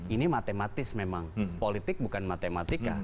ini matematis memang politik bukan matematika